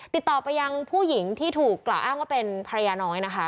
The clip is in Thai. ติดต่อไปยังผู้หญิงที่ถูกกล่าวอ้างว่าเป็นภรรยาน้อยนะคะ